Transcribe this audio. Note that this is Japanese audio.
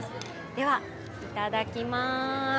ではいただきます。